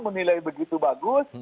menilai begitu bagus